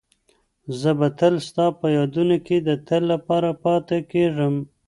زه به تل ستا په یادونو کې د تل لپاره پاتې کېږم.